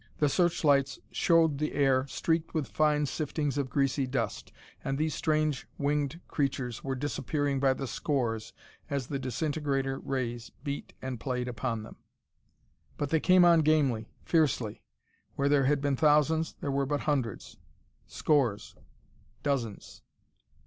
The search lights showed the air streaked with fine siftings of greasy dust, and these strange winged creatures were disappearing by the scores as the disintegrator rays beat and played upon them. But they came on gamely, fiercely. Where there had been thousands, there were but hundreds ... scores ... dozens....